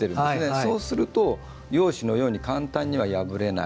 そうすると、洋紙のように簡単には破れない。